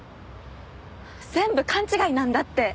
全部勘違いなんだって。